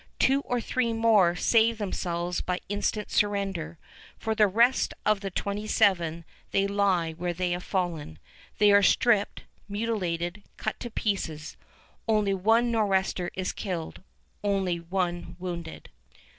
Two or three more save themselves by instant surrender. For the rest of the twenty seven, they lie where they have fallen. They are stripped, mutilated, cut to pieces. Only one Nor'wester is killed, only one wounded.